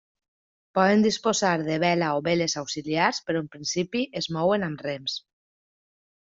Poden disposar de vela o veles auxiliars però, en principi, es mouen amb rems.